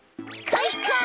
かいか！